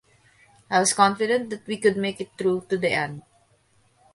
I was confident that we could make it through to the end.